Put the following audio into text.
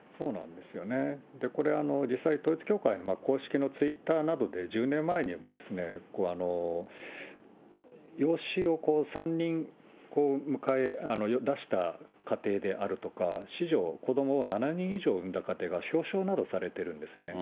これ、実際、統一教会の公式のツイッターなどで、１０年前にも養子を３人出した家庭であるとか、子女を、子どもを７人以上産んだ家庭が表彰などされてるんですね。